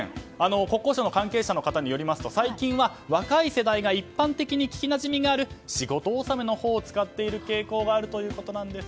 国交省の関係者の方によりますと最近は若い世代が一般的に聞きなじみがある仕事納めのほうを使っている傾向があるということです。